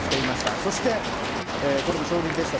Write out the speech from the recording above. そして、これも衝撃でした。